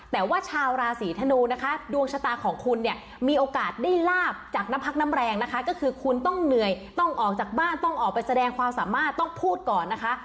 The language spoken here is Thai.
แต่ว่าชาวราศีธนูนะคะดวงชะตาของคุณเนี่ยมีโอกาสได้ลาบจากน้ำพักน้ำแรงนะคะก็คือคุณต้องเหนื่อยต้องออกจากบ้านต้องออกไปแสดงความสามารถต้องพูดก่อนนะคะ